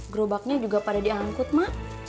gerobaknya juga pada diangkut mak